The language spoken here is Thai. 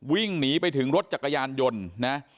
วิ่งหนีไปถึงรถจักรยานยนต์นะ